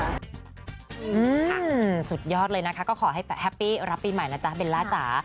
สุดยอดเลยนะคะก็ขอให้แฮปปี้รับปีใหม่นะจ๊ะเบลล่าจ๋า